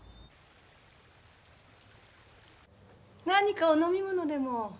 何かお飲み物でも？